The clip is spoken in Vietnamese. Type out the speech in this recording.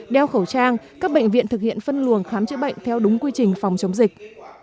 đeo khẩu trang các bệnh viện thực hiện phân luồng khám chữa bệnh theo đúng quy trình phòng chống dịch